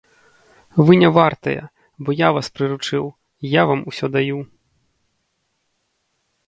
Вы не вартыя, бо я вас прыручыў, я вам усё даю.